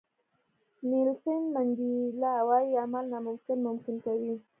نیلسن منډیلا وایي عمل ناممکن ممکن کوي.